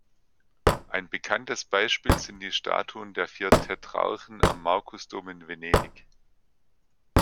Ein bekanntes Beispiel sind die Statuen der vier Tetrarchen am Markusdom in Venedig.